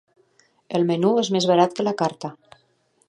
El menú és més barat que la carta.